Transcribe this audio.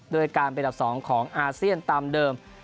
ด้วยการเป็นดับ๒ของอาเซียนตามเดิม